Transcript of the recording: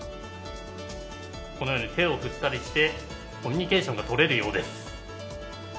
このように手を振ったりして、コミュニケーションがとれるようです。